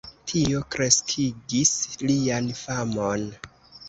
Tio kreskigis lian famon.